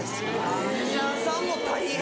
マネジャーさんも大変。